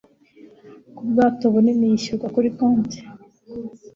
ku bwato bunini yishyurwa kuri konte